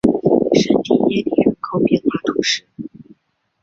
圣蒂耶里人口变化图示